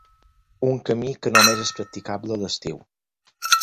Un camí que només és practicable a l'estiu.